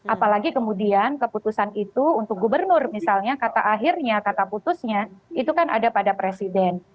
apalagi kemudian keputusan itu untuk gubernur misalnya kata akhirnya kata putusnya itu kan ada pada presiden